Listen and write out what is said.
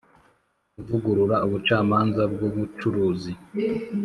kuvugurura ubucamanza bw'ubucuruzi